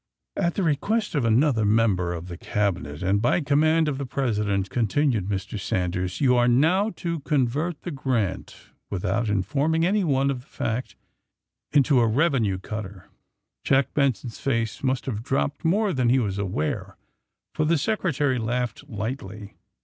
At the request of another member of the Cabinet, and by command of the President," continued Mr. Sanders, ^^you will now convert the ^ Grant, ^ without informing anyone of the fact, into a revenue cutter. '' Jack Benson's face raust have dropped more than he was aware, for the Secretary laughed lightly.